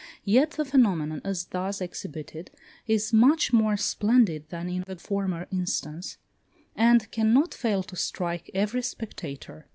Yet, the phenomenon as thus exhibited is much more splendid than in the former instance, and cannot fail to strike every spectator.